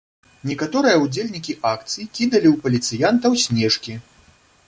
Некаторыя ўдзельнікі акцый кідалі ў паліцыянтаў снежкі.